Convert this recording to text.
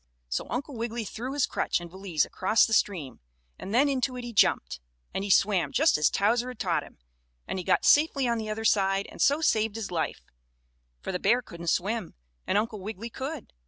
So Uncle Wiggily threw his crutch and valise across the stream, and then into it he jumped, and he swam just as Towser had taught him and he got safely on the other side and so saved his life, for the bear couldn't swim and Uncle Wiggily could.